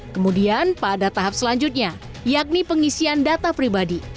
kemudian pada tahap selanjutnya yakni pengisian data pribadi